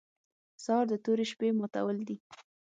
سهار د تورې شپې ماتول دي.